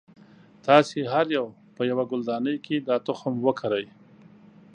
تاسې هر یو به یوه ګلدانۍ کې دا تخم وکری.